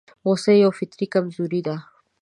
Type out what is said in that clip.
غوسه يوه فطري کمزوري ده.